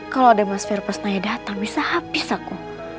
kalau ada mas fero pas naya datang bisa habis aku